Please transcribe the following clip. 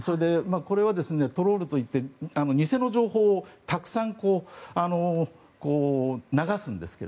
これはトロールといって偽の情報をたくさん流すんです。